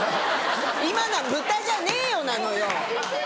今のは「豚じゃねえよ！」なのよ。